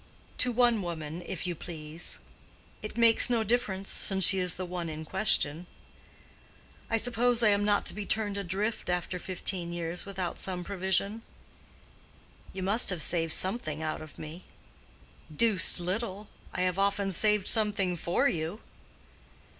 "To one woman, if you please." "It makes no difference since she is the one in question." "I suppose I am not to be turned adrift after fifteen years without some provision." "You must have saved something out of me." "Deuced little. I have often saved something for you."